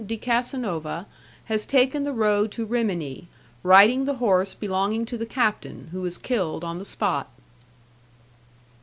de Casanova has taken the road to Rimini, riding the horse belonging to the captain, who was killed on the spot."